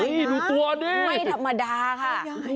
นี่ดูตัวนี้ไม่ธรรมดาค่ะ